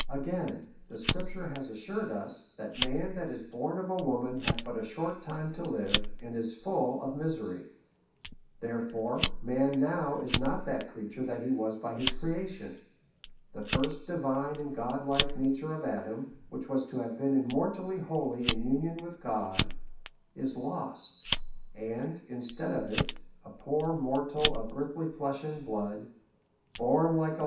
Again ; the Scripture has assured us, that man that is born of a woman hath but a short time to live, and' is full of misery ; therefore, man now is not that crea ture that he was by his creation. The first divine and god like nature of Adam, which was to have been kn mortally holy in union with God, is lost ; and, instead of it, a poor mortal of earthly flesh and blood, born like THE REV.